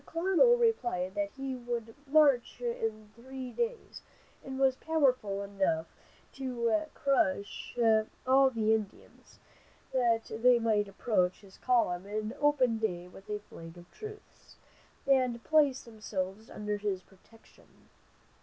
The Colonel replied that he would march in three days, and was powerful enough to crush all the Indians; that they might approach his column in open day with a flag of truce, and place themselves under his protection.